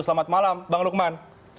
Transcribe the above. selamat malam bang lukman